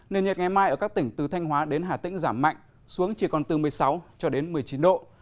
nên nhiệt ngày mai ở các tỉnh từ thanh hóa đến hà tĩnh giảm mạnh xuống chỉ còn từ một mươi sáu một mươi chín độ